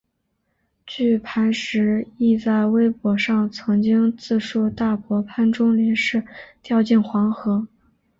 据潘石屹在微博上曾经自述大伯潘钟麟是掉进黄河。